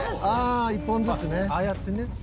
ああやってね。